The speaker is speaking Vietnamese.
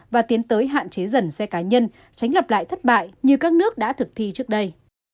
và tiến tới hạn chế dần xe cá nhân tránh lặp lại thất bại như các nước đã thực thi trước đây